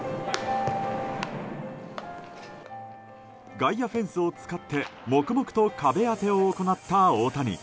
外野フェンスを使ってもくもくと壁当てを行った大谷。